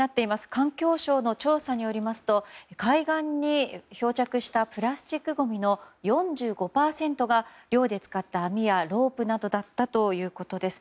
環境省の調査によりますと海岸に漂着したプラスチックごみの４５％が漁で使った網やロープなどだったそうです。